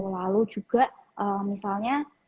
lalu juga misalnya